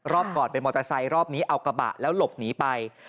รอบก่อนเป็นมอเตอร์ไซค์รอบนี้เอากระบะแล้วหลบหนีไป